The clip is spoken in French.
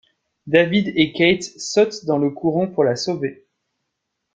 David et Kate sautent dans le courant pour la sauver.